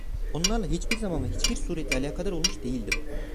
Onlarla hiçbir zaman ve hiçbir suretle alakadar olmuş değildim.